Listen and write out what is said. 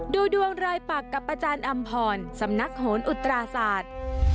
ดูดวงรายปักกับอาจารย์อำพรสำนักโหนอุตราศาสตร์